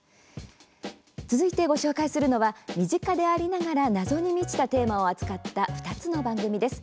続いて、ご紹介するのは身近でありながら謎に満ちたテーマを扱った２つの番組です。